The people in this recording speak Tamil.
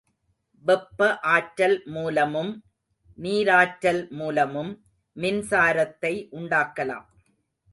வெப்ப ஆற்றல் மூலமும் நீராற்றல் மூலமும் மின்சாரத்தை உண்டாக்கலாம்.